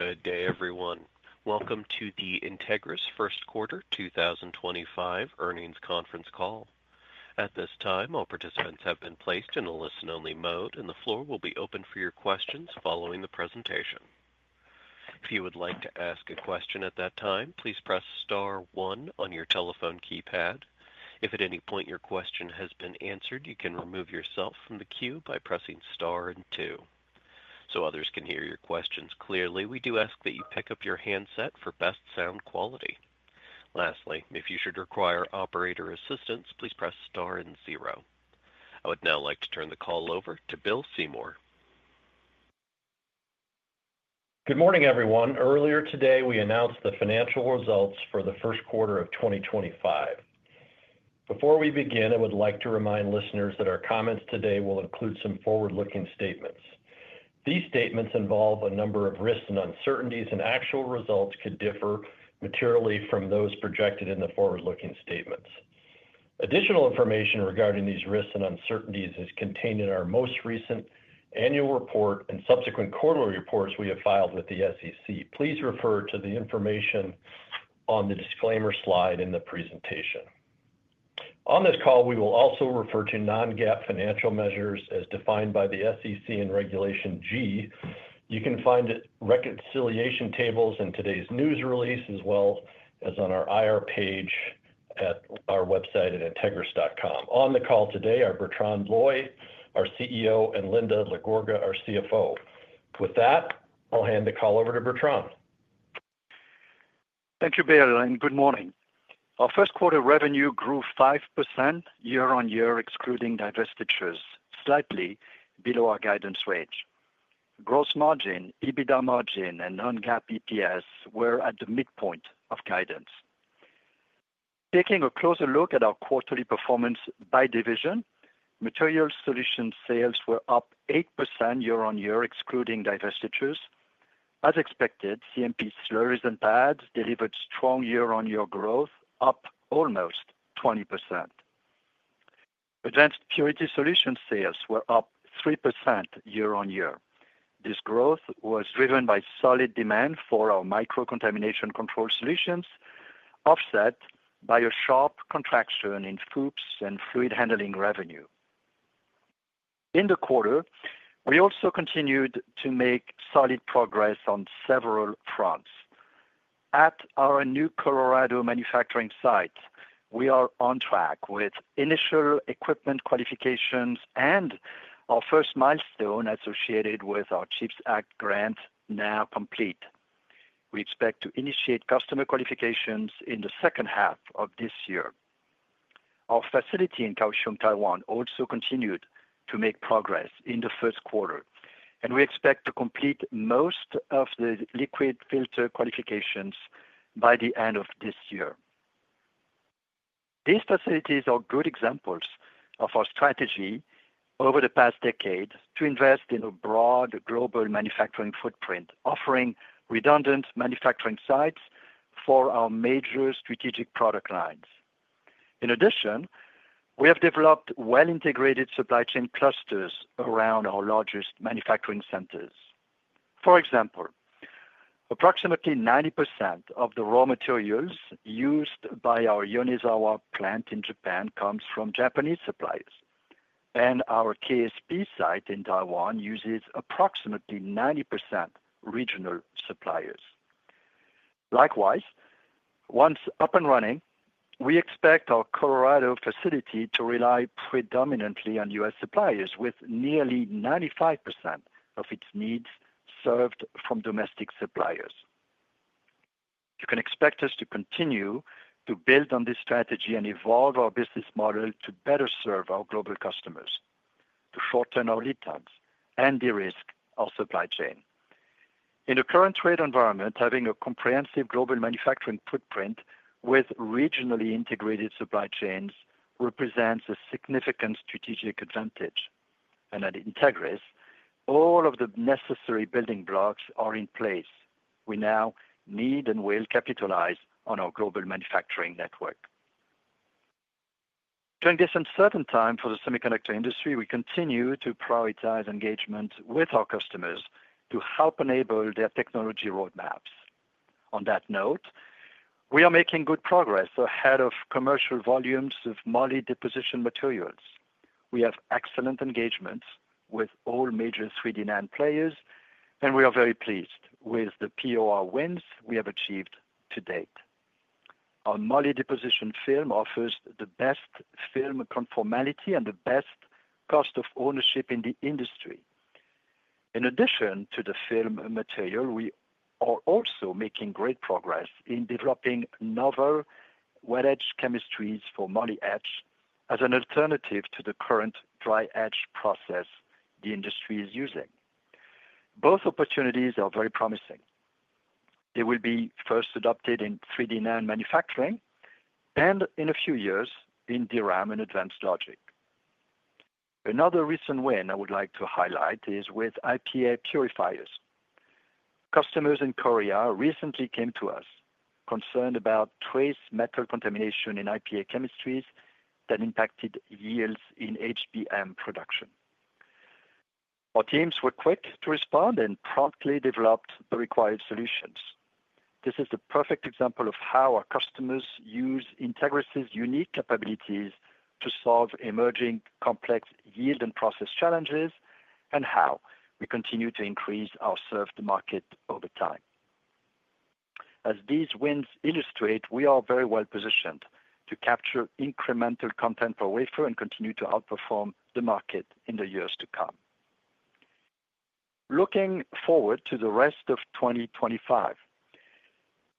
Good day, everyone. Welcome to the Entegris First Quarter 2025 earnings conference call. At this time, all participants have been placed in a listen-only mode, and the floor will be open for your questions following the presentation. If you would like to ask a question at that time, please press star one on your telephone keypad. If at any point your question has been answered, you can remove yourself from the queue by pressing star and two. So others can hear your questions clearly, we do ask that you pick up your handset for best sound quality. Lastly, if you should require operator assistance, please press star and zero. I would now like to turn the call over to Bill Seymour. Good morning, everyone. Earlier today, we announced the financial results for the first quarter of 2025. Before we begin, I would like to remind listeners that our comments today will include some forward-looking statements. These statements involve a number of risks and uncertainties, and actual results could differ materially from those projected in the forward-looking statements. Additional information regarding these risks and uncertainties is contained in our most recent annual report and subsequent quarterly reports we have filed with the SEC. Please refer to the information on the disclaimer slide in the presentation. On this call, we will also refer to non-GAAP financial measures as defined by the SEC in Regulation G. You can find reconciliation tables in today's news release as well as on our IR page at our website at entegris.com. On the call today are Bertrand Loy, our CEO, and Linda LaGorga, our CFO. With that, I'll hand the call over to Bertrand. Thank you, Bailey. Good morning. Our first quarter revenue grew 5% year-on-year, excluding divestitures, slightly below our guidance rate. Gross margin, EBITDA margin, and non-GAAP EPS were at the mid-point of guidance. Taking a closer look at our quarterly performance by division, material solution sales were up 8% year-on-year, excluding divestitures. As expected, CMP slurries and pads delivered strong year-on-year growth, up almost 20%. Advanced purity solution sales were up 3% year-on-year. This growth was driven by solid demand for our micro-contamination control solutions, offset by a sharp contraction in FUPS and fluid handling revenue. In the quarter, we also continued to make solid progress on several fronts. At our new Colorado manufacturing site, we are on track with initial equipment qualifications and our first milestone associated with our CHIPS Act grant now complete. We expect to initiate customer qualifications in the second half of this year. Our facility in Kaohsiung, Taiwan, also continued to make progress in the first quarter, and we expect to complete most of the liquid filter qualifications by the end of this year. These facilities are good examples of our strategy over the past decade to invest in a broad global manufacturing footprint, offering redundant manufacturing sites for our major strategic product lines. In addition, we have developed well-integrated supply chain clusters around our largest manufacturing centers. For example, approximately 90% of the raw materials used by our Yonezawa Plant in Japan comes from Japanese suppliers, and our KSP site in Taiwan uses approximately 90% regional suppliers. Likewise, once up and running, we expect our Colorado facility to rely predominantly on U.S. suppliers, with nearly 95% of its needs served from domestic suppliers. You can expect us to continue to build on this strategy and evolve our business model to better serve our global customers, to shorten our lead times and de-risk our supply chain. In the current trade environment, having a comprehensive global manufacturing footprint with regionally integrated supply chains represents a significant strategic advantage, and at Entegris, all of the necessary building blocks are in place. We now need and will capitalize on our global manufacturing network. During this uncertain time for the semiconductor industry, we continue to prioritize engagement with our customers to help enable their technology roadmaps. On that note, we are making good progress ahead of commercial volumes of MOLY deposition materials. We have excellent engagements with all major 3D NAND players, and we are very pleased with the POR wins we have achieved to date. Our MOLY deposition film offers the best film conformality and the best cost of ownership in the industry. In addition to the film material, we are also making great progress in developing novel wet-edge chemistries for MOLY edge as an alternative to the current dry-edge process the industry is using. Both opportunities are very promising. They will be first adopted in 3D NAND manufacturing and, in a few years, in DRAM and advanced logic. Another recent win I would like to highlight is with IPA purifiers. Customers in Korea recently came to us concerned about trace metal contamination in IPA chemistries that impacted yields in HBM production. Our teams were quick to respond and promptly developed the required solutions. This is the perfect example of how our customers use Entegris's unique capabilities to solve emerging complex yield and process challenges and how we continue to increase our serve-to-market over time. As these wins illustrate, we are very well positioned to capture incremental content per wafer and continue to outperform the market in the years to come. Looking forward to the rest of 2025,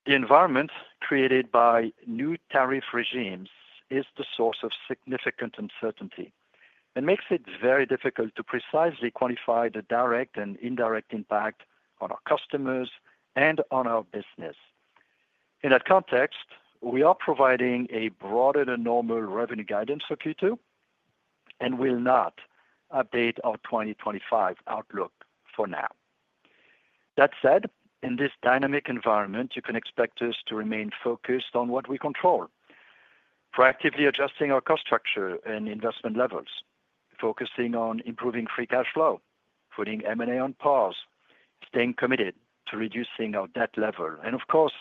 the environment created by new tariff regimes is the source of significant uncertainty and makes it very difficult to precisely quantify the direct and indirect impact on our customers and on our business. In that context, we are providing a broader than normal revenue guidance for Q2 and will not update our 2025 outlook for now. That said, in this dynamic environment, you can expect us to remain focused on what we control, proactively adjusting our cost structure and investment levels, focusing on improving free cash flow, putting M&A on pause, staying committed to reducing our debt level. Of course,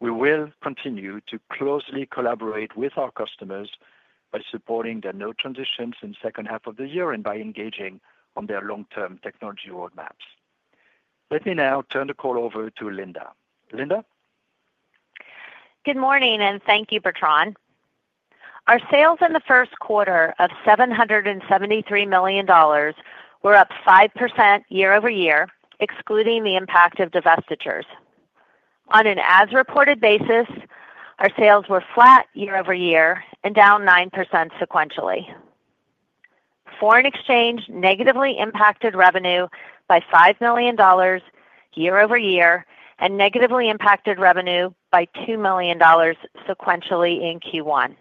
we will continue to closely collaborate with our customers by supporting their node transitions in the second half of the year and by engaging on their long-term technology roadmaps. Let me now turn the call over to Linda. Linda? Good morning, and thank you, Bertrand. Our sales in the first quarter of $773 million were up 5% year-over-year, excluding the impact of divestitures. On an as-reported basis, our sales were flat year-over-year and down 9% sequentially. Foreign exchange negatively impacted revenue by $5 million year-over-year and negatively impacted revenue by $2 million sequentially in Q1.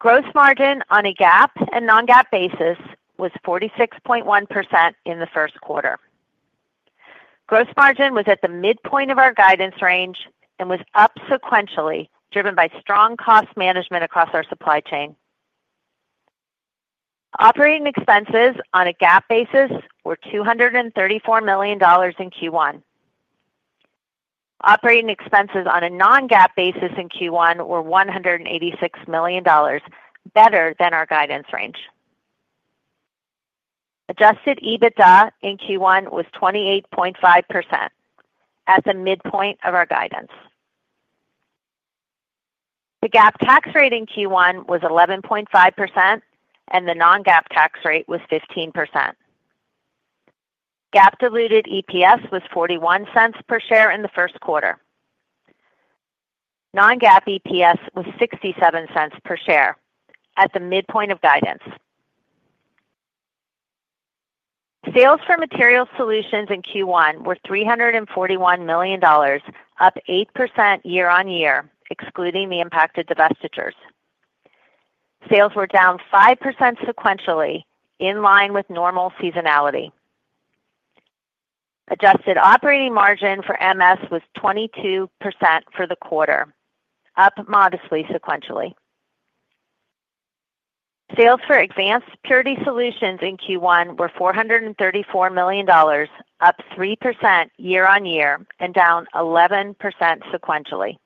Gross margin on a GAAP and non-GAAP basis was 46.1% in the first quarter. Gross margin was at the midpoint of our guidance range and was up sequentially driven by strong cost management across our supply chain. Operating expenses on a GAAP basis were $234 million in Q1. Operating expenses on a non-GAAP basis in Q1 were $186 million, better than our guidance range. Adjusted EBITDA in Q1 was 28.5% at the midpoint of our guidance. The GAAP tax rate in Q1 was 11.5%, and the non-GAAP tax rate was 15%. GAAP diluted EPS was $0.41 per share in the first quarter. Non-GAAP EPS was $0.67 per share at the midpoint of guidance. Sales for material solutions in Q1 were $341 million, up 8% year-on-year, excluding the impact of divestitures. Sales were down 5% sequentially, in line with normal seasonality. Adjusted operating margin for MS was 22% for the quarter, up modestly sequentially. Sales for advanced purity solutions in Q1 were $434 million, up 3% year-on-year and down 11% sequentially.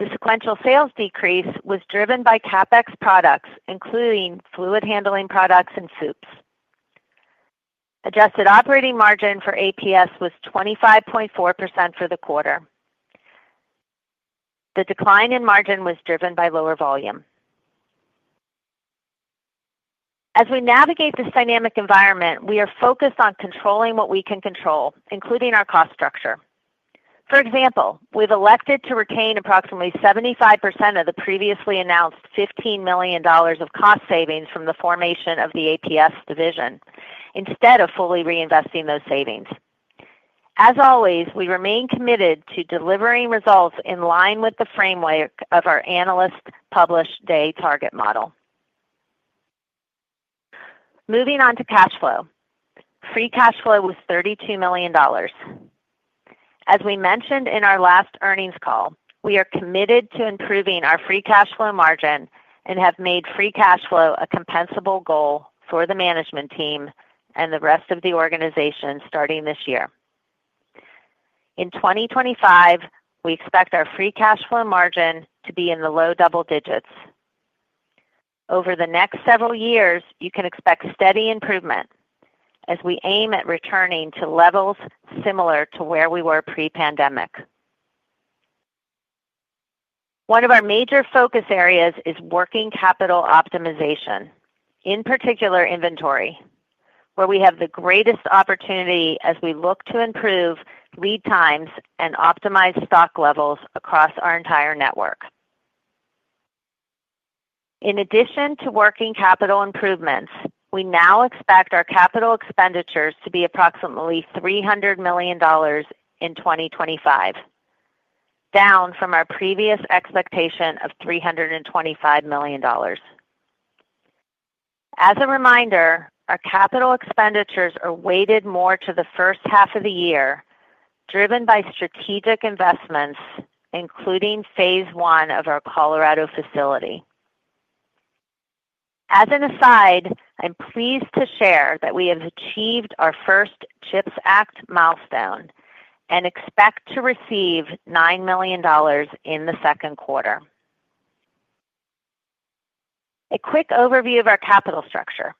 The sequential sales decrease was driven by CapEx products, including fluid handling products and FUPS. Adjusted operating margin for APS was 25.4% for the quarter. The decline in margin was driven by lower volume. As we navigate this dynamic environment, we are focused on controlling what we can control, including our cost structure. For example, we have elected to retain approximately 75% of the previously announced $15 million of cost savings from the formation of the APS division instead of fully reinvesting those savings. As always, we remain committed to delivering results in line with the framework of our analyst-published day target model. Moving on to cash flow, free cash flow was $32 million. As we mentioned in our last earnings call, we are committed to improving our free cash flow margin and have made free cash flow a compensable goal for the management team and the rest of the organization starting this year. In 2025, we expect our free cash flow margin to be in the low double digits. Over the next several years, you can expect steady improvement as we aim at returning to levels similar to where we were pre-pandemic. One of our major focus areas is working capital optimization, in particular inventory, where we have the greatest opportunity as we look to improve lead times and optimize stock levels across our entire network. In addition to working capital improvements, we now expect our capital expenditures to be approximately $300 million in 2025, down from our previous expectation of $325 million. As a reminder, our capital expenditures are weighted more to the first half of the year, driven by strategic investments, including phase one of our Colorado facility. As an aside, I'm pleased to share that we have achieved our first CHIPS Act milestone and expect to receive $9 million in the second quarter. A quick overview of our capital structure.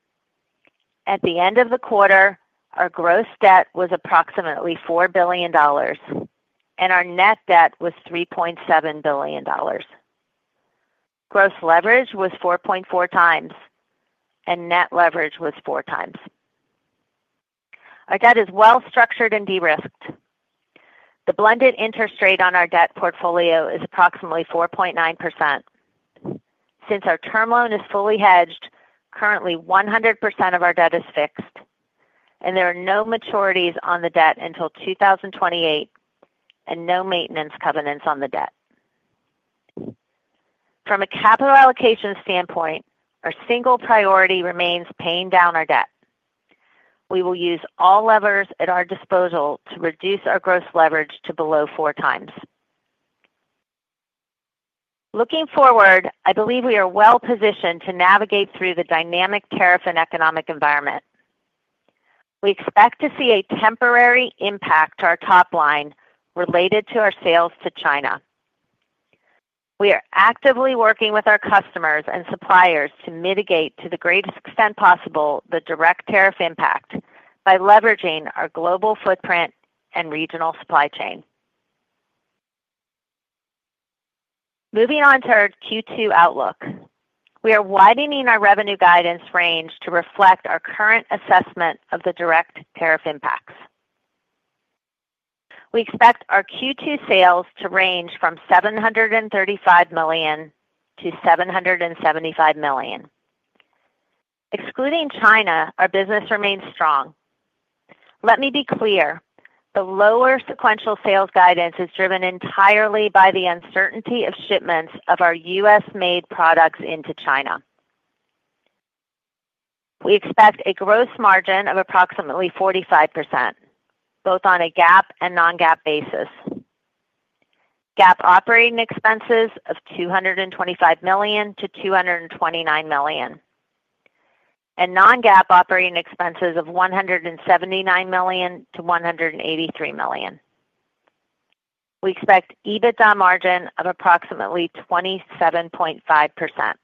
At the end of the quarter, our gross debt was approximately $4 billion, and our net debt was $3.7 billion. Gross leverage was 4.4 times, and net leverage was 4 times. Our debt is well-structured and de-risked. The blended interest rate on our debt portfolio is approximately 4.9%. Since our term loan is fully hedged, currently 100% of our debt is fixed, and there are no maturities on the debt until 2028 and no maintenance covenants on the debt. From a capital allocation standpoint, our single priority remains paying down our debt. We will use all levers at our disposal to reduce our gross leverage to below 4 times. Looking forward, I believe we are well positioned to navigate through the dynamic tariff and economic environment. We expect to see a temporary impact to our top line related to our sales to China. We are actively working with our customers and suppliers to mitigate, to the greatest extent possible, the direct tariff impact by leveraging our global footprint and regional supply chain. Moving on to our Q2 outlook, we are widening our revenue guidance range to reflect our current assessment of the direct tariff impacts. We expect our Q2 sales to range from $735 million-$775 million. Excluding China, our business remains strong. Let me be clear, the lower sequential sales guidance is driven entirely by the uncertainty of shipments of our U.S.-made products into China. We expect a gross margin of approximately 45%, both on a GAAP and non-GAAP basis. GAAP operating expenses of $225 million-$229 million, and non-GAAP operating expenses of $179 million-$183 million. We expect EBITDA margin of approximately 27.5%,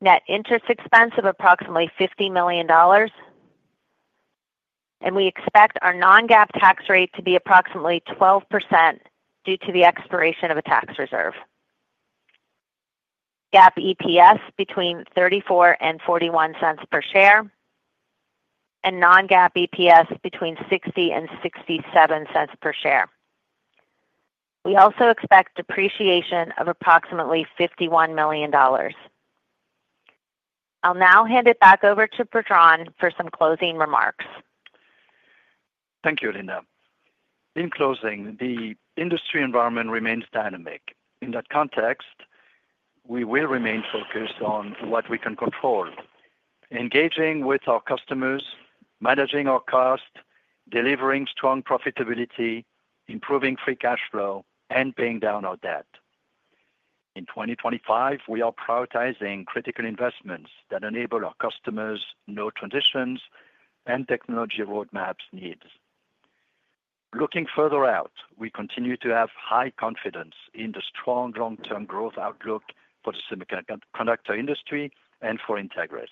net interest expense of approximately $50 million, and we expect our non-GAAP tax rate to be approximately 12% due to the expiration of a tax reserve. GAAP EPS between $0.34 and $0.41 per share, and non-GAAP EPS between $0.60 and $0.67 per share. We also expect depreciation of approximately $51 million. I'll now hand it back over to Bertrand for some closing remarks. Thank you, Linda. In closing, the industry environment remains dynamic. In that context, we will remain focused on what we can control, engaging with our customers, managing our cost, delivering strong profitability, improving free cash flow, and paying down our debt. In 2025, we are prioritizing critical investments that enable our customers' node transitions and technology roadmap needs. Looking further out, we continue to have high confidence in the strong long-term growth outlook for the semiconductor industry and for Entegris.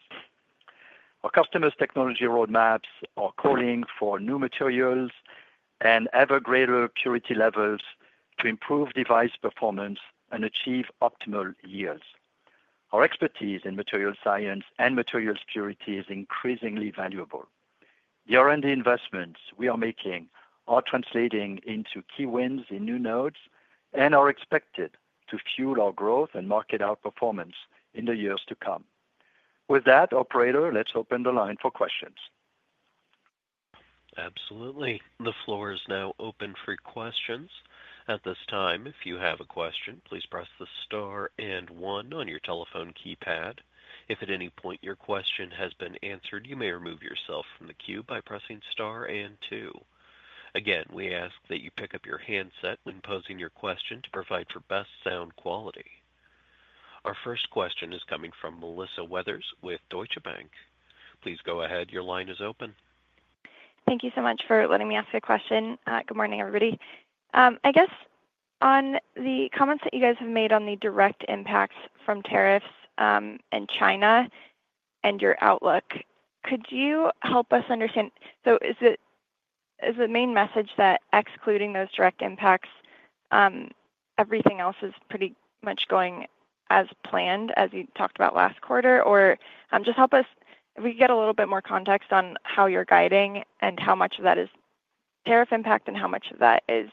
Our customers' technology roadmaps are calling for new materials and ever greater purity levels to improve device performance and achieve optimal yields. Our expertise in materials science and materials purity is increasingly valuable. The R&D investments we are making are translating into key wins in new nodes and are expected to fuel our growth and market outperformance in the years to come. With that, Operator, let's open the line for questions. Absolutely. The floor is now open for questions. At this time, if you have a question, please press the star and one on your telephone keypad. If at any point your question has been answered, you may remove yourself from the queue by pressing star and two. Again, we ask that you pick up your handset when posing your question to provide for best sound quality. Our first question is coming from Melissa Weathers with Deutsche Bank. Please go ahead. Your line is open. Thank you so much for letting me ask a question. Good morning, everybody. I guess on the comments that you guys have made on the direct impacts from tariffs in China and your outlook, could you help us understand, so is the main message that excluding those direct impacts, everything else is pretty much going as planned, as you talked about last quarter? Or just help us, if we could get a little bit more context on how you're guiding and how much of that is tariff impact and how much of that is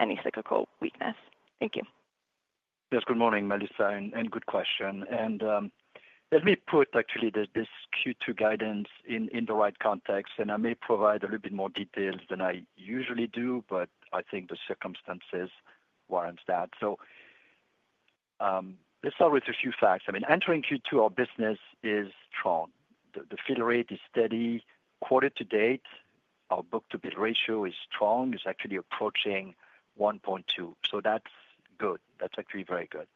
any cyclical weakness. Thank you. Yes, good morning, Melissa, and good question. Let me put actually this Q2 guidance in the right context, and I may provide a little bit more details than I usually do, but I think the circumstances warrant that. Let's start with a few facts. I mean, entering Q2, our business is strong. The fill rate is steady. Quarter to date, our book-to-bid ratio is strong. It's actually approaching 1.2. That's good. That's actually very good.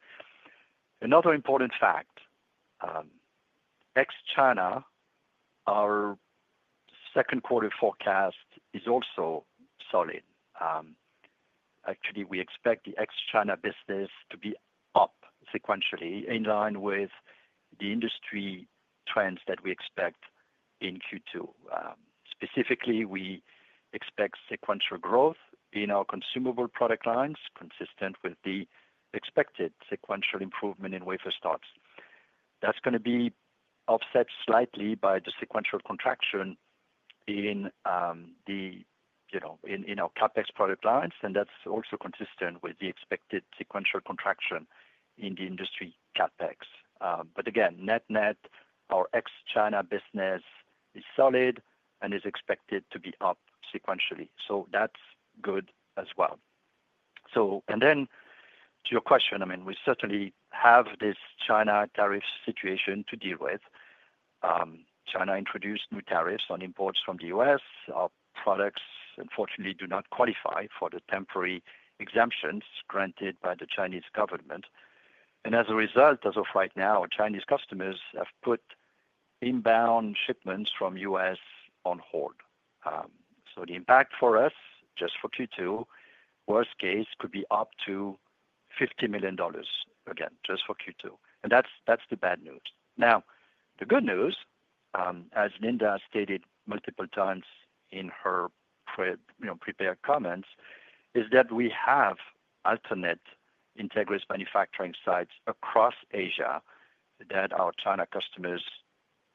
Another important fact, ex-China, our second quarter forecast is also solid. Actually, we expect the ex-China business to be up sequentially in line with the industry trends that we expect in Q2. Specifically, we expect sequential growth in our consumable product lines, consistent with the expected sequential improvement in wafer starts. That's going to be offset slightly by the sequential contraction in our CapEx product lines, and that's also consistent with the expected sequential contraction in the industry CapEx. Again, net-net, our ex-China business is solid and is expected to be up sequentially. That's good as well. To your question, I mean, we certainly have this China tariff situation to deal with. China introduced new tariffs on imports from the U.S. Our products, unfortunately, do not qualify for the temporary exemptions granted by the Chinese government. As a result, as of right now, Chinese customers have put inbound shipments from the U.S. on hold. The impact for us, just for Q2, worst case could be up to $50 million, again, just for Q2. That's the bad news. Now, the good news, as Linda stated multiple times in her prepared comments, is that we have alternate Entegris manufacturing sites across Asia that our China customers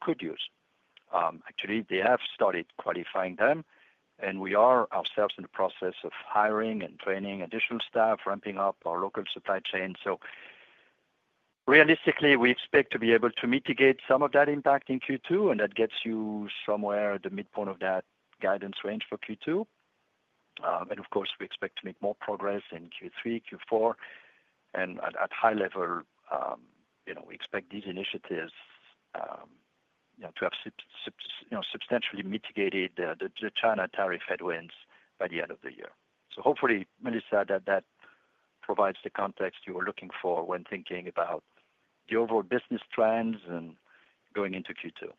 could use. Actually, they have started qualifying them, and we are ourselves in the process of hiring and training additional staff, ramping up our local supply chain. Realistically, we expect to be able to mitigate some of that impact in Q2, and that gets you somewhere at the midpoint of that guidance range for Q2. Of course, we expect to make more progress in Q3, Q4, and at a high level, we expect these initiatives to have substantially mitigated the China tariff headwinds by the end of the year. Hopefully, Melissa, that provides the context you are looking for when thinking about the overall business trends and going into Q2.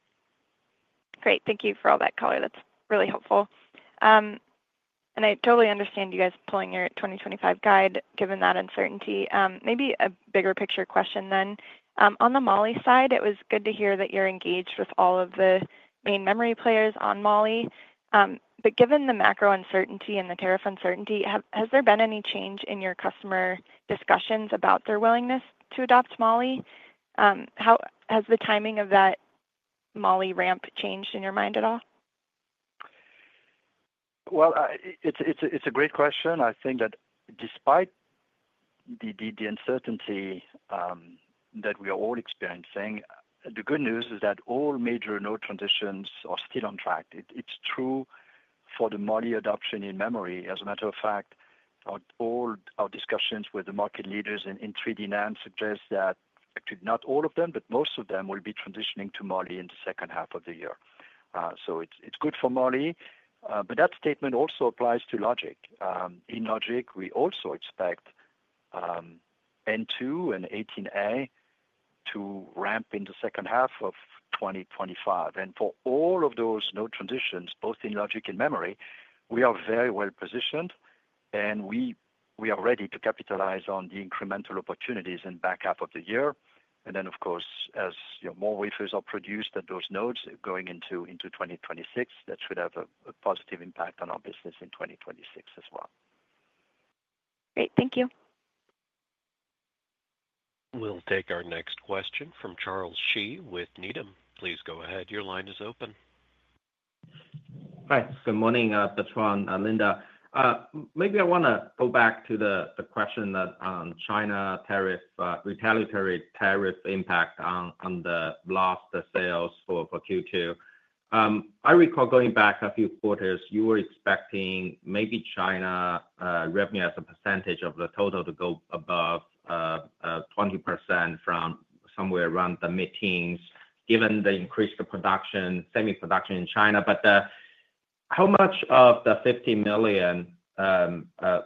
Great. Thank you for all that color. That's really helpful. I totally understand you guys pulling your 2025 guide, given that uncertainty. Maybe a bigger picture question then. On the MOLY side, it was good to hear that you're engaged with all of the main memory players on MOLY. Given the macro uncertainty and the tariff uncertainty, has there been any change in your customer discussions about their willingness to adopt MOLY? Has the timing of that MOLY ramp changed in your mind at all? It's a great question. I think that despite the uncertainty that we are all experiencing, the good news is that all major node transitions are still on track. It's true for the MOLY adoption in memory. As a matter of fact, all our discussions with the market leaders in 3D NAND suggest that actually not all of them, but most of them will be transitioning to MOLY in the second half of the year. It's good for MOLY. That statement also applies to logic. In logic, we also expect N2 and 18A to ramp in the second half of 2025. For all of those node transitions, both in logic and memory, we are very well positioned, and we are ready to capitalize on the incremental opportunities in the back half of the year. Of course, as more wafers are produced at those nodes going into 2026, that should have a positive impact on our business in 2026 as well. Great. Thank you. We'll take our next question from Charles Shi with Needham. Please go ahead. Your line is open. Hi. Good morning, Bertrand, Linda. Maybe I want to go back to the question that China tariff, retaliatory tariff impact on the blast sales for Q2. I recall going back a few quarters, you were expecting maybe China revenue as a percentage of the total to go above 20% from somewhere around the mid-teens, given the increased production, semi-production in China. But how much of the $50 million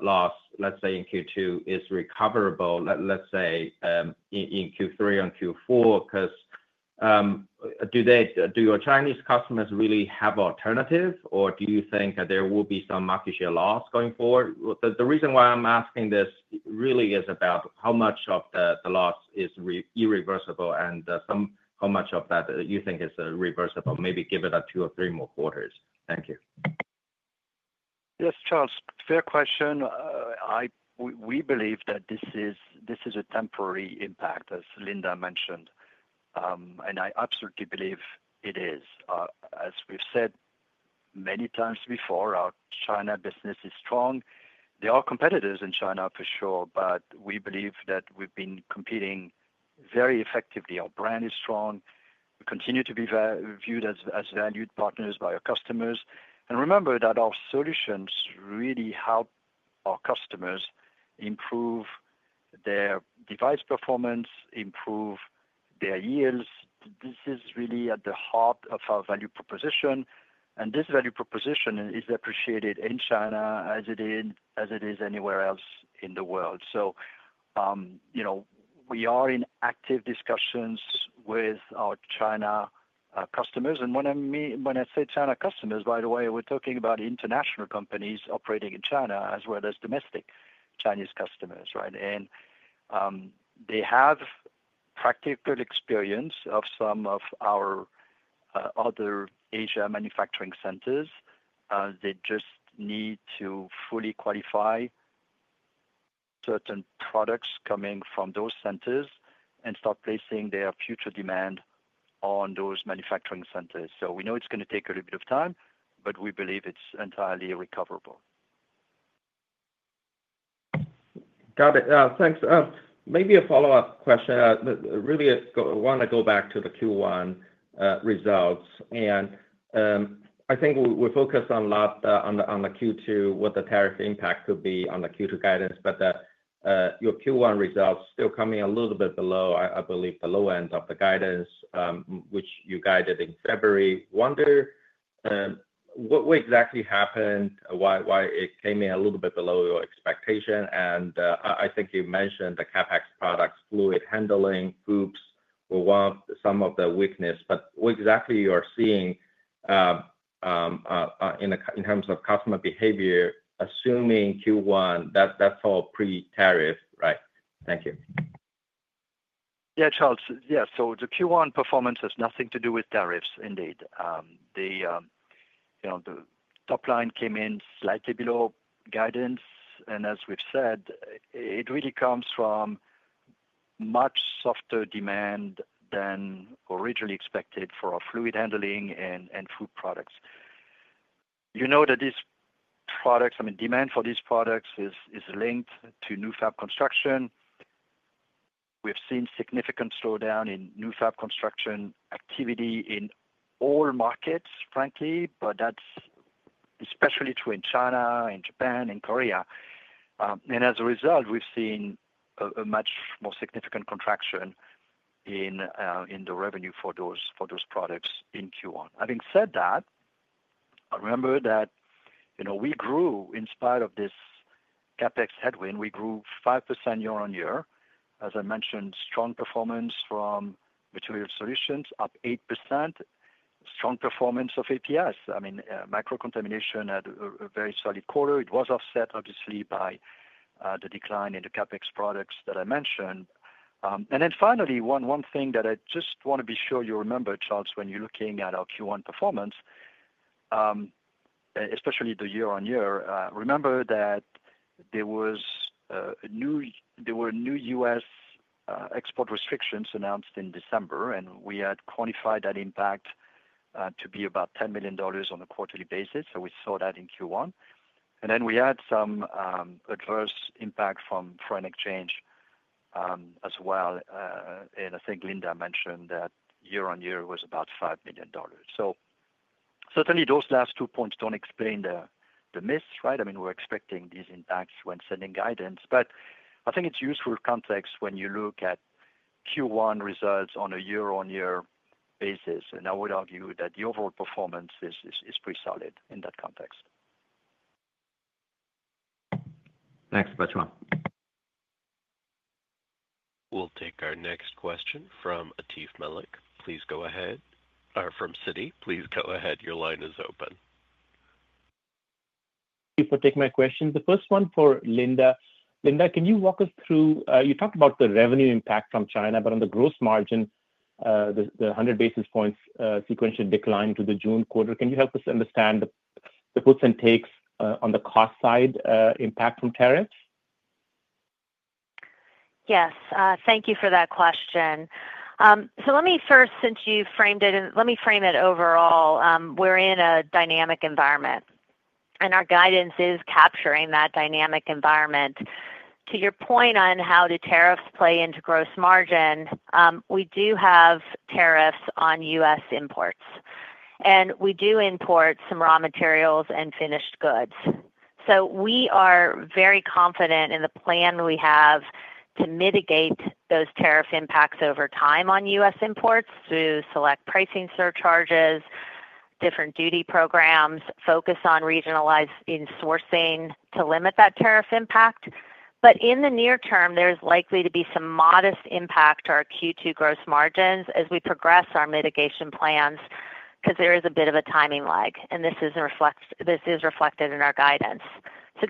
loss, let's say in Q2, is recoverable, let's say in Q3 and Q4? Because do your Chinese customers really have alternatives, or do you think that there will be some market share loss going forward? The reason why I'm asking this really is about how much of the loss is irreversible and how much of that you think is reversible. Maybe give it two or three more quarters. Thank you. Yes, Charles. Fair question. We believe that this is a temporary impact, as Linda mentioned. I absolutely believe it is. As we have said many times before, our China business is strong. There are competitors in China, for sure, but we believe that we have been competing very effectively. Our brand is strong. We continue to be viewed as valued partners by our customers. Remember that our solutions really help our customers improve their device performance, improve their yields. This is really at the heart of our value proposition. This value proposition is appreciated in China as it is anywhere else in the world. We are in active discussions with our China customers. When I say China customers, by the way, we are talking about international companies operating in China as well as domestic Chinese customers. They have practical experience of some of our other Asia Manufacturing Centers. They just need to fully qualify certain products coming from those centers and start placing their future demand on those manufacturing centers. We know it is going to take a little bit of time, but we believe it is entirely recoverable. Got it. Thanks. Maybe a follow-up question. Really, I want to go back to the Q1 results. I think we're focused a lot on the Q2, what the tariff impact could be on the Q2 guidance. Your Q1 results still coming a little bit below, I believe, the low end of the guidance, which you guided in February. Wonder, what exactly happened? Why it came in a little bit below your expectation? I think you mentioned the CapEx products, fluid handling, hoops were some of the weakness. What exactly you are seeing in terms of customer behavior, assuming Q1, that's all pre-tariff, right? Thank you. Yeah, Charles. Yeah. The Q1 performance has nothing to do with tariffs, indeed. The top line came in slightly below guidance. As we've said, it really comes from much softer demand than originally expected for our fluid handling and FUPs products. You know that these products, I mean, demand for these products is linked to new fab construction. We've seen significant slowdown in new fab construction activity in all markets, frankly, but that's especially true in China, in Japan, in Korea. As a result, we've seen a much more significant contraction in the revenue for those products in Q1. Having said that, remember that we grew in spite of this CapEx headwind. We grew 5% year on year. As I mentioned, strong performance from material solutions, up 8%. Strong performance of APS. I mean, micro-contamination had a very solid quarter. It was offset, obviously, by the decline in the CapEx products that I mentioned. Finally, one thing that I just want to be sure you remember, Charles, when you're looking at our Q1 performance, especially the year on year, remember that there were new U.S. export restrictions announced in December, and we had quantified that impact to be about $10 million on a quarterly basis. We saw that in Q1. We had some adverse impact from foreign exchange as well. I think Linda mentioned that year on year was about $5 million. Certainly, those last two points do not explain the miss, right? I mean, we're expecting these impacts when setting guidance. I think it's useful context when you look at Q1 results on a year-on-year basis. I would argue that the overall performance is pretty solid in that context. Thanks, Bertrand. We'll take our next question from Atif Malik. Please go ahead. Or from Citi, please go ahead. Your line is open. Thank you for taking my question. The first one for Linda. Linda, can you walk us through? You talked about the revenue impact from China, but on the gross margin, the 100 basis points sequential decline to the June quarter, can you help us understand the puts and takes on the cost side impact from tariffs? Yes. Thank you for that question. Let me first, since you framed it, and let me frame it overall. We're in a dynamic environment, and our guidance is capturing that dynamic environment. To your point on how do tariffs play into gross margin, we do have tariffs on U.S. imports. We do import some raw materials and finished goods. We are very confident in the plan we have to mitigate those tariff impacts over time on U.S. imports through select pricing surcharges, different duty programs, and focus on regionalizing sourcing to limit that tariff impact. In the near term, there's likely to be some modest impact to our Q2 gross margins as we progress our mitigation plans because there is a bit of a timing lag, and this is reflected in our guidance.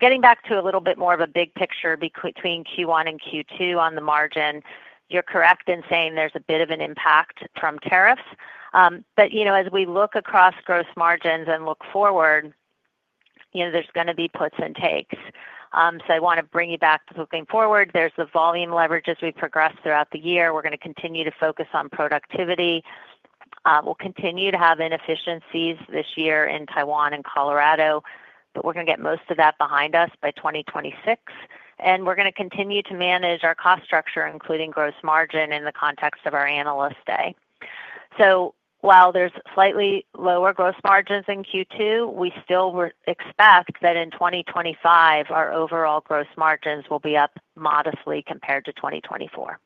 Getting back to a little bit more of a big picture between Q1 and Q2 on the margin, you're correct in saying there's a bit of an impact from tariffs. As we look across gross margins and look forward, there's going to be puts and takes. I want to bring you back to looking forward. There's the volume leverage as we progress throughout the year. We're going to continue to focus on productivity. We'll continue to have inefficiencies this year in Taiwan and Colorado, but we're going to get most of that behind us by 2026. We're going to continue to manage our cost structure, including gross margin, in the context of our analyst day. While there's slightly lower gross margins in Q2, we still expect that in 2025, our overall gross margins will be up modestly compared to 2024.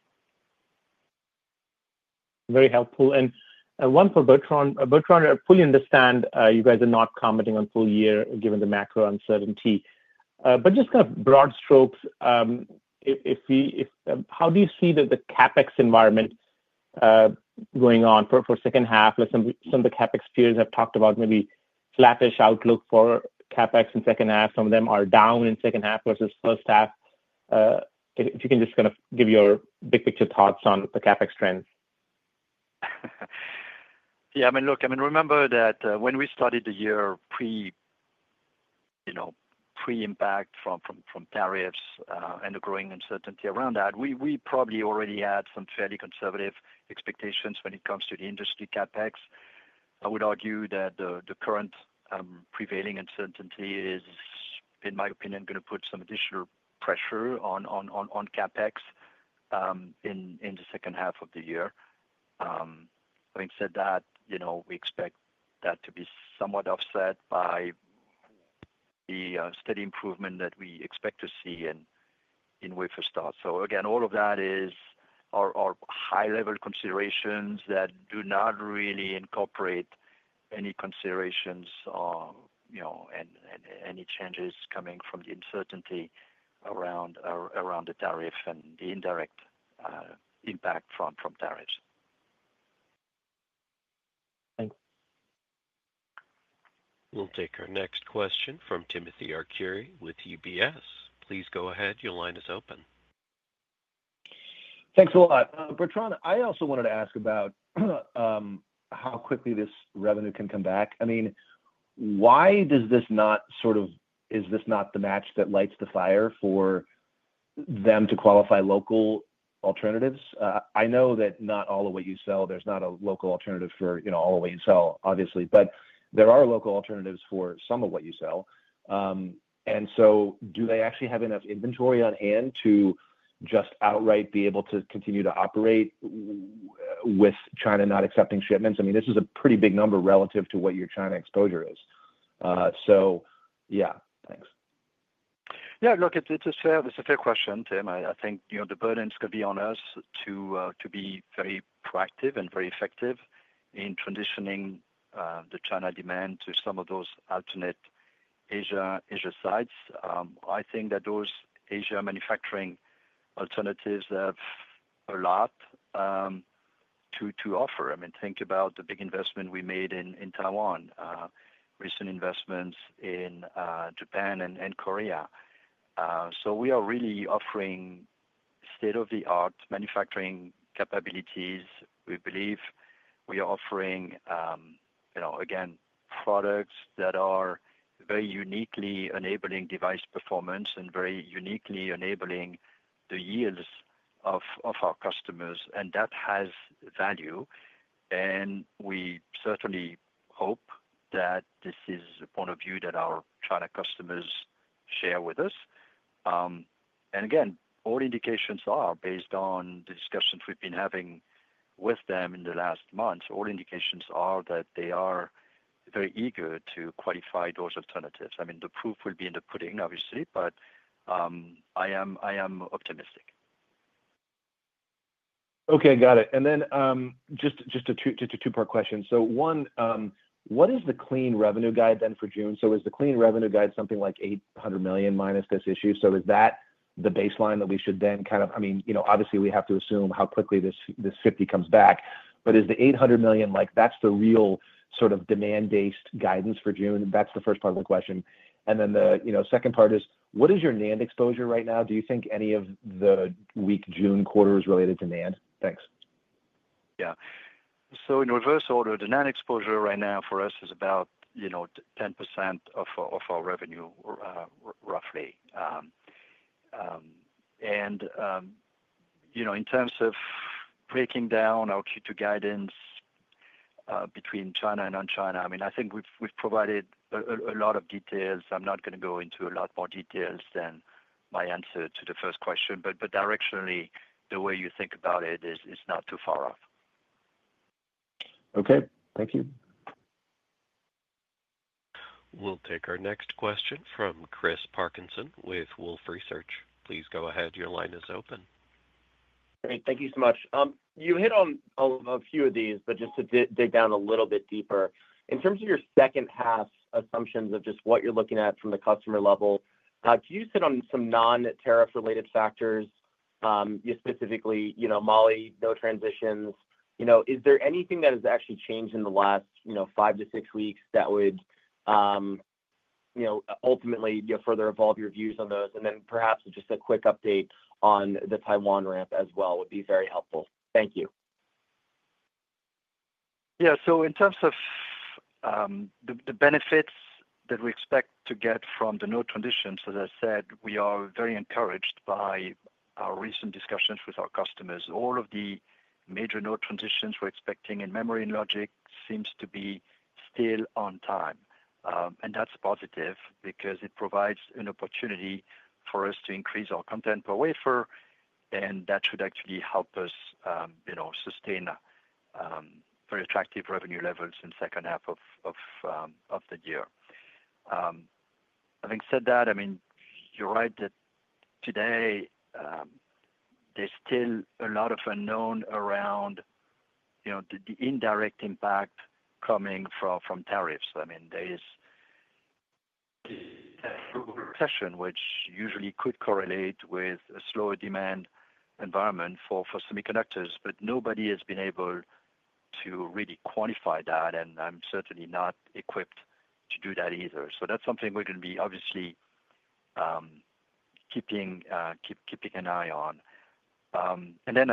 Very helpful. And one for Bertrand. Bertrand, I fully understand you guys are not commenting on full year given the macro uncertainty. But just kind of broad strokes, how do you see the CapEx environment going on for second half? Some of the CapEx peers have talked about maybe sloppish outlook for CapEx in second half. Some of them are down in second half versus first half. If you can just kind of give your big picture thoughts on the CapEx trends. Yeah. I mean, look, I mean, remember that when we started the year pre-impact from tariffs and the growing uncertainty around that, we probably already had some fairly conservative expectations when it comes to the industry CapEx. I would argue that the current prevailing uncertainty is, in my opinion, going to put some additional pressure on CapEx in the second half of the year. Having said that, we expect that to be somewhat offset by the steady improvement that we expect to see in wafer starts. Again, all of that is our high-level considerations that do not really incorporate any considerations and any changes coming from the uncertainty around the tariff and the indirect impact from tariffs. Thanks. We'll take our next question from Timothy Arcuri with UBS. Please go ahead. Your line is open. Thanks a lot. Bertrand, I also wanted to ask about how quickly this revenue can come back. I mean, why does this not sort of, is this not the match that lights the fire for them to qualify local alternatives? I know that not all of what you sell, there is not a local alternative for all of what you sell, obviously. But there are local alternatives for some of what you sell. And do they actually have enough inventory on hand to just outright be able to continue to operate with China not accepting shipments? I mean, this is a pretty big number relative to what your China exposure is. Yeah, thanks. Yeah. Look, it's a fair question, Tim. I think the burden is going to be on us to be very proactive and very effective in transitioning the China demand to some of those alternate Asia sites. I think that those Asia manufacturing alternatives have a lot to offer. I mean, think about the big investment we made in Taiwan, recent investments in Japan and Korea. We are really offering state-of-the-art manufacturing capabilities. We believe we are offering, again, products that are very uniquely enabling device performance and very uniquely enabling the yields of our customers. That has value. We certainly hope that this is a point of view that our China customers share with us. Again, all indications are based on the discussions we've been having with them in the last month. All indications are that they are very eager to qualify those alternatives. I mean, the proof will be in the pudding, obviously, but I am optimistic. Okay. Got it. And then just a two-part question. One, what is the clean revenue guide then for June? Is the clean revenue guide something like $800 million minus this issue? Is that the baseline that we should then kind of, I mean, obviously, we have to assume how quickly this 50 comes back. Is the $800 million the real sort of demand-based guidance for June? That is the first part of the question. The second part is, what is your NAND exposure right now? Do you think any of the weak June quarter is related to NAND? Thanks. Yeah. In reverse order, the NAND exposure right now for us is about 10% of our revenue, roughly. In terms of breaking down our Q2 guidance between China and non-China, I mean, I think we've provided a lot of details. I'm not going to go into a lot more details than my answer to the first question. Directionally, the way you think about it is not too far off. Okay. Thank you. We'll take our next question from Chris Parkinson with Wolfe Research. Please go ahead. Your line is open. Great. Thank you so much. You hit on a few of these, but just to dig down a little bit deeper. In terms of your second half assumptions of just what you're looking at from the customer level, do you sit on some non-tariff-related factors? Specifically, MOLY, no transitions. Is there anything that has actually changed in the last 5 to 6 weeks that would ultimately further evolve your views on those? And then perhaps just a quick update on the Taiwan ramp as well would be very helpful. Thank you. Yeah. In terms of the benefits that we expect to get from the node transitions, as I said, we are very encouraged by our recent discussions with our customers. All of the major node transitions we're expecting in memory and logic seem to be still on time. That is positive because it provides an opportunity for us to increase our content per wafer, and that should actually help us sustain very attractive revenue levels in the second half of the year. Having said that, I mean, you're right that today, there is still a lot of unknown around the indirect impact coming from tariffs. I mean, there is that recession, which usually could correlate with a slower demand environment for semiconductors, but nobody has been able to really quantify that, and I'm certainly not equipped to do that either. That's something we're going to be obviously keeping an eye on. And then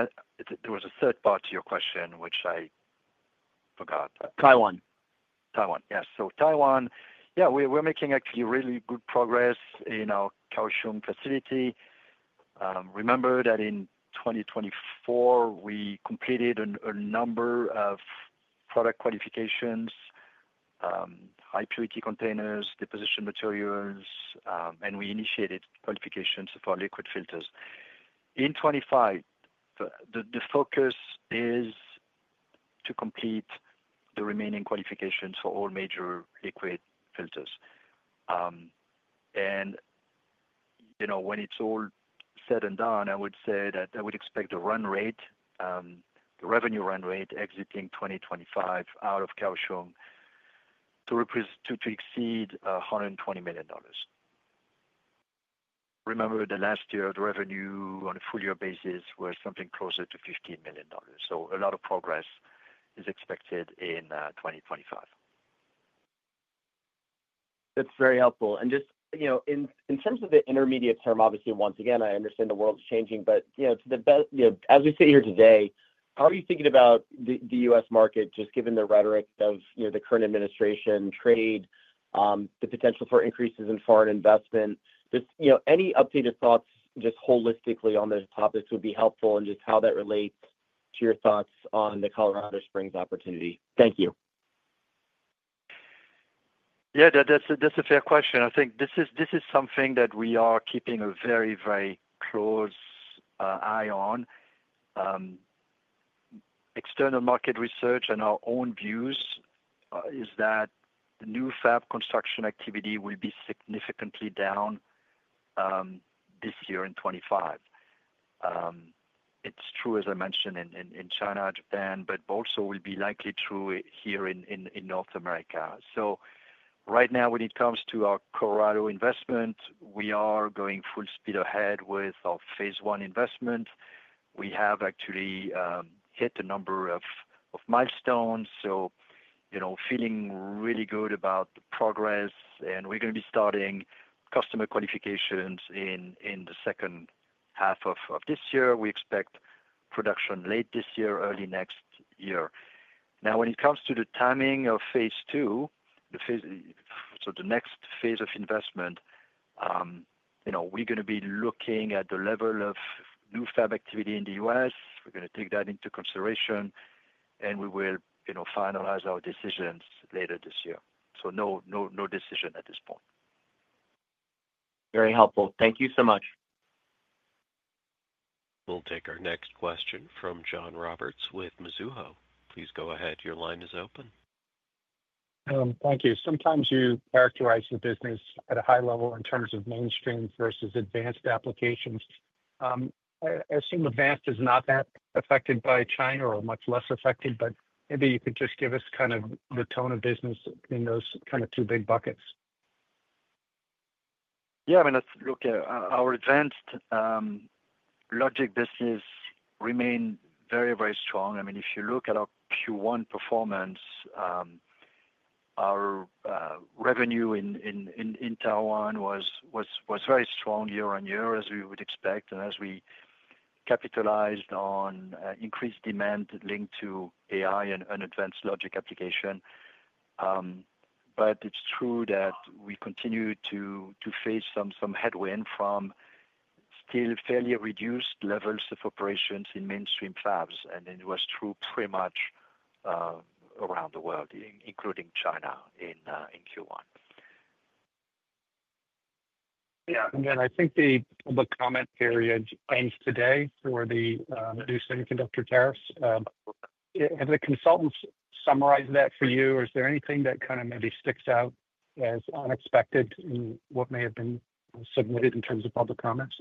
there was a third part to your question, which I forgot. Taiwan. Taiwan. Yes. So Taiwan, yeah, we're making actually really good progress in our Kaohsiung facility. Remember that in 2024, we completed a number of product qualifications, high-purity containers, deposition materials, and we initiated qualifications for liquid filters. In 2025, the focus is to complete the remaining qualifications for all major liquid filters. And when it's all said and done, I would say that I would expect the revenue run rate exiting 2025 out of Kaohsiung to exceed $120 million. Remember, the last year, the revenue on a full-year basis was something closer to $15 million. So a lot of progress is expected in 2025. That's very helpful. Just in terms of the intermediate term, obviously, once again, I understand the world's changing, but to the best, as we sit here today, how are you thinking about the U.S. Market just given the rhetoric of the current administration, trade, the potential for increases in foreign investment? Any updated thoughts just holistically on this topic would be helpful and just how that relates to your thoughts on the Colorado Springs opportunity. Thank you. Yeah. That's a fair question. I think this is something that we are keeping a very, very close eye on. External Market Research and our own views is that new fab construction activity will be significantly down this year in 2025. It's true, as I mentioned, in China and Japan, but also will be likely true here in North America. Right now, when it comes to our Colorado investment, we are going full speed ahead with our phase one investment. We have actually hit a number of milestones, so feeling really good about the progress. We're going to be starting customer qualifications in the second half of this year. We expect production late this year, early next year. Now, when it comes to the timing of phase two, so the next phase of investment, we're going to be looking at the level of new fab activity in the U.S. We're going to take that into consideration, and we will finalize our decisions later this year. No decision at this point. Very helpful. Thank you so much. We'll take our next question from John Roberts with Mizuho. Please go ahead. Your line is open. Thank you. Sometimes you characterize the business at a high level in terms of mainstream versus advanced applications. I assume advanced is not that affected by China or much less affected, but maybe you could just give us kind of the tone of business in those kind of 2 big buckets. Yeah. I mean, look, our advanced logic business remains very, very strong. I mean, if you look at our Q1 performance, our revenue in Taiwan was very strong year on year, as we would expect, and as we capitalized on increased demand linked to AI and advanced logic application. It is true that we continue to face some headwind from still fairly reduced levels of operations in mainstream fabs. It was true pretty much around the world, including China in Q1. Yeah. I think the comment period ends today for the new semiconductor tariffs. Have the consultants summarized that for you, or is there anything that kind of maybe sticks out as unexpected in what may have been submitted in terms of public comments?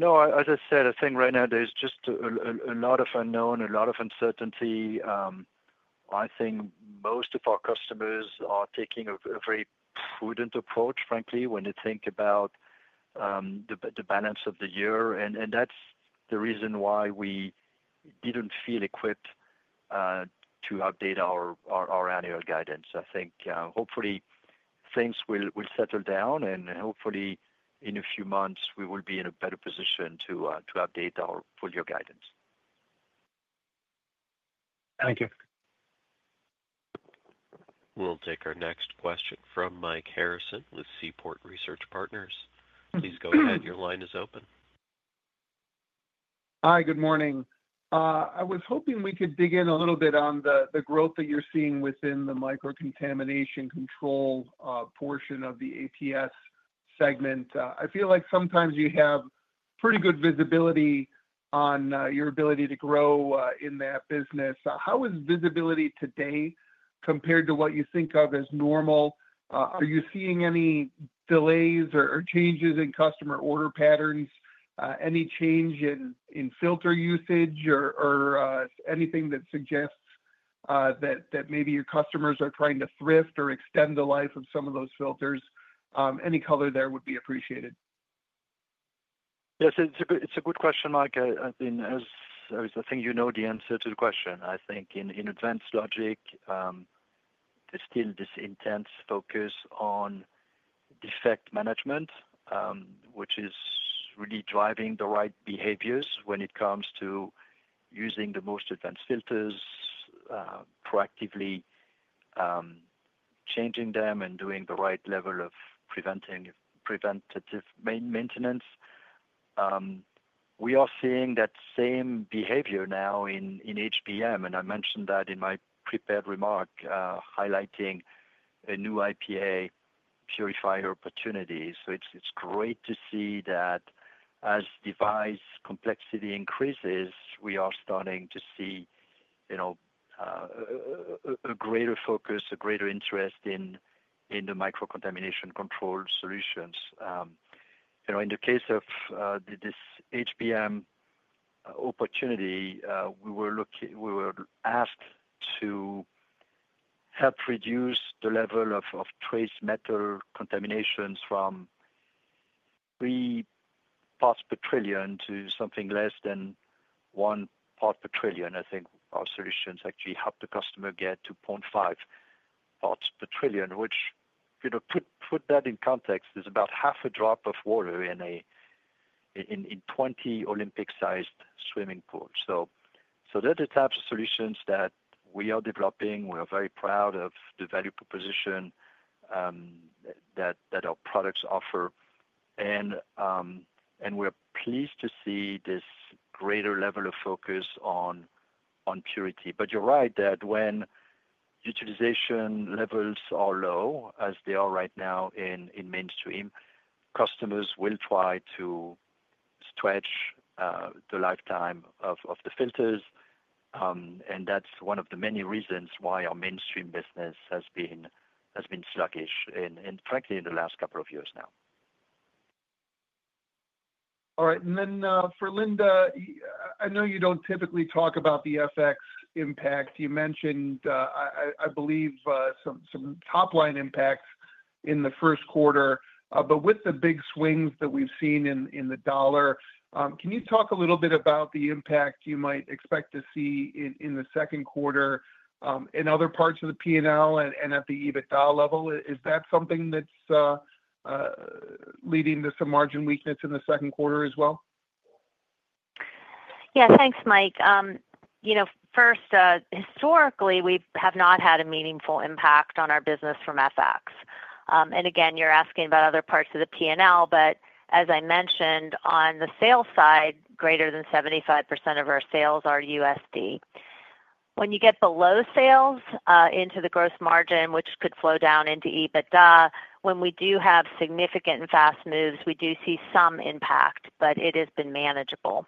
No. As I said, I think right now there's just a lot of unknown, a lot of uncertainty. I think most of our customers are taking a very prudent approach, frankly, when they think about the balance of the year. That's the reason why we didn't feel equipped to update our annual guidance. I think hopefully things will settle down, and hopefully in a few months, we will be in a better position to update our full-year guidance. Thank you. We'll take our next question from Mike Harrison with Seaport Research Partners. Please go ahead. Your line is open. Hi. Good morning. I was hoping we could dig in a little bit on the growth that you're seeing within the microcontamination control portion of the APS segment. I feel like sometimes you have pretty good visibility on your ability to grow in that business. How is visibility today compared to what you think of as normal? Are you seeing any delays or changes in customer order patterns? Any change in filter usage or anything that suggests that maybe your customers are trying to thrift or extend the life of some of those filters? Any color there would be appreciated. Yes. It's a good question, Mike. I think, as I think you know the answer to the question. I think in advanced logic, there's still this intense focus on defect management, which is really driving the right behaviors when it comes to using the most advanced filters, proactively changing them and doing the right level of preventative maintenance. We are seeing that same behavior now in HBM, and I mentioned that in my prepared remark highlighting a new IPA purifier opportunity. It's great to see that as device complexity increases, we are starting to see a greater focus, a greater interest in the microcontamination control solutions. In the case of this HBM opportunity, we were asked to help reduce the level of trace metal contaminations from 3 parts per trillion to something less than 1 part per trillion. I think our solutions actually helped the customer get to 0.5 parts per trillion, which, put that in context, is about half a drop of water in a 20 Olympic-sized swimming pool. Those are the types of solutions that we are developing. We are very proud of the value proposition that our products offer. We are pleased to see this greater level of focus on purity. You're right that when utilization levels are low, as they are right now in mainstream, customers will try to stretch the lifetime of the filters. That is one of the many reasons why our mainstream business has been sluggish, and frankly, in the last couple of years now. All right. And then for Linda, I know you do not typically talk about the FX impact. You mentioned, I believe, some top-line impacts in the first quarter. With the big swings that we have seen in the dollar, can you talk a little bit about the impact you might expect to see in the second quarter in other parts of the P&L and at the EBITDA level? Is that something that is leading to some margin weakness in the second quarter as well? Yeah. Thanks, Mike. First, historically, we have not had a meaningful impact on our business from FX. Again, you're asking about other parts of the P&L, but as I mentioned, on the sales side, greater than 75% of our sales are USD. When you get below sales into the gross margin, which could flow down into EBITDA, when we do have significant and fast moves, we do see some impact, but it has been manageable.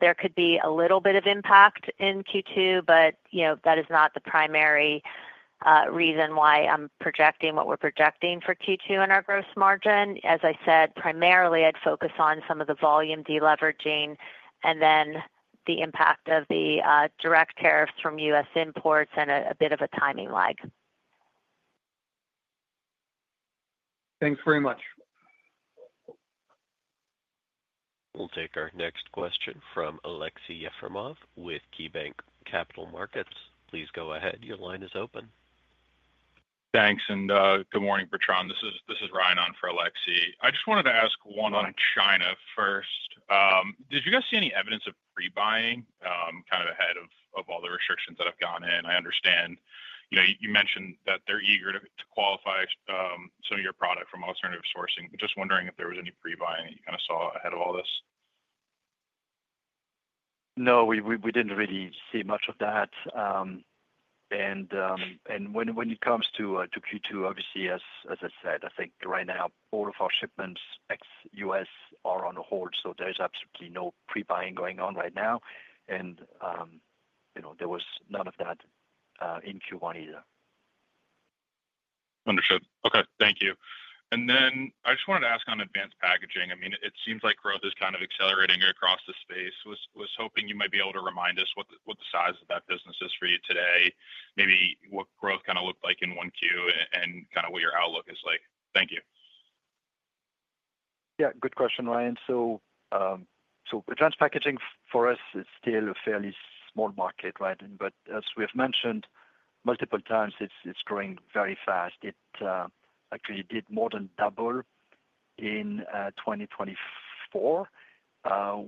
There could be a little bit of impact in Q2, but that is not the primary reason why I'm projecting what we're projecting for Q2 in our gross margin. As I said, primarily, I'd focus on some of the volume deleveraging and then the impact of the direct tariffs from U.S. imports and a bit of a timing lag. Thanks very much. We'll take our next question from Alexey Yafarov with KeyBanc Capital Markets. Please go ahead. Your line is open. Thanks. Good morning, Bertrand. This is Ryan on for Alexey. I just wanted to ask one on China first. Did you guys see any evidence of pre-buying kind of ahead of all the restrictions that have gone in? I understand you mentioned that they're eager to qualify some of your product from alternative sourcing, but just wondering if there was any pre-buying that you kind of saw ahead of all this? No. We did not really see much of that. When it comes to Q2, obviously, as I said, I think right now, all of our shipments ex-U.S. are on hold, so there is absolutely no pre-buying going on right now. There was none of that in Q1 either. Understood. Okay. Thank you. I just wanted to ask on advanced packaging. I mean, it seems like growth is kind of accelerating across the space. I was hoping you might be able to remind us what the size of that business is for you today, maybe what growth kind of looked like in Q1, and kind of what your outlook is like. Thank you. Yeah. Good question, Ryan. Advanced packaging for us is still a fairly small market, right? As we have mentioned multiple times, it is growing very fast. It actually did more than double in 2024.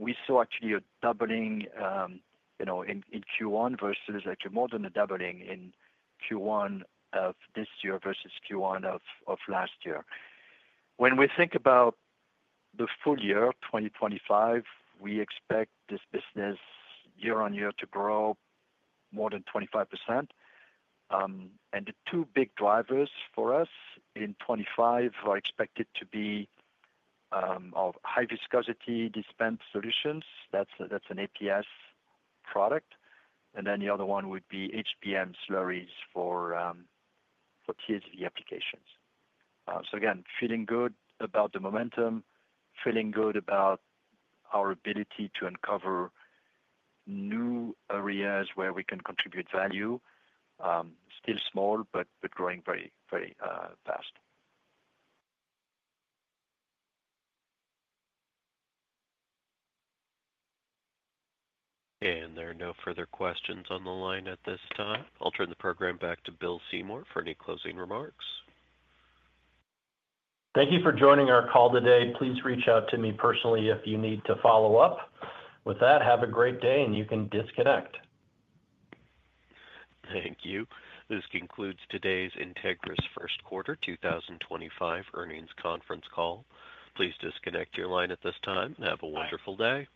We saw a doubling in Q1 versus actually more than a doubling in Q1 of this year versus Q1 of last year. When we think about the full year, 2025, we expect this business year on year to grow more than 25%. The two big drivers for us in 2025 are expected to be high viscosity dispense solutions. That is an APS product. The other one would be HBM slurries for TSV applications. Again, feeling good about the momentum, feeling good about our ability to uncover new areas where we can contribute value. Still small, but growing very, very fast. There are no further questions on the line at this time. I'll turn the program back to Bill Seymour for any closing remarks. Thank you for joining our call today. Please reach out to me personally if you need to follow up. With that, have a great day, and you can disconnect. Thank you. This concludes today's Entegris First Quarter 2025 earnings conference call. Please disconnect your line at this time and have a wonderful day.